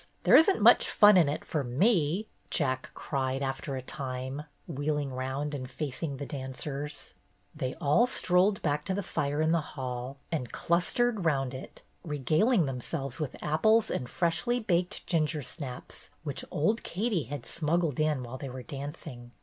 There is n't much fun in it for me," Jack cried, after a time, wheeling round and facing the dancers. They all strolled back to the fire in the hall, and clustered round it, regaling themselves with apples and freshly baked gingersnaps which old Katie had smuggled in while they *5 226 BETTY BAIRD'S GOLDEN YEAR were dancing.